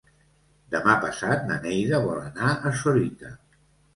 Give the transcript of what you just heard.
Demà passat na Neida vol anar a Sorita.